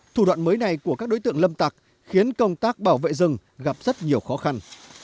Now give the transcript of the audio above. thủ đoạn mới này của các đối tượng lâm tặc khiến công tác bảo vệ rừng gặp rất nhiều khó khăn